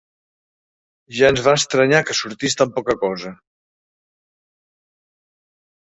Ja ens va estranyar que sortís tan poca cosa.